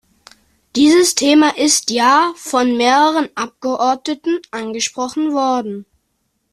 Dieses Thema ist ja von mehreren Abgeordneten angesprochen worden.